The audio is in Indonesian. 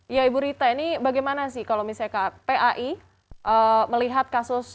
ya ibu rita ini bagaimana sih kalau misalnya kpai melihat kasus